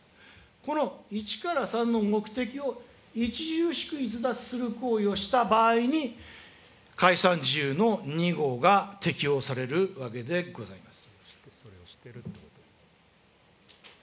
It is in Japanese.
この１から３の目的を著しく逸脱する行為をした場合に、解散事由の２号が適用されるわけでございます。